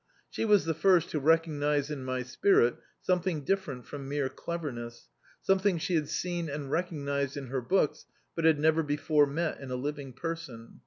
She was the first to realise in my spirit something different from mere cleverness, something she had seen and rec(^;nised in her books, but had never be fore met in a living person.